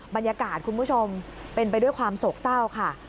บรรยากาศคุณผู้ชมเป็นไปด้วยความโศกเศร้าค่ะ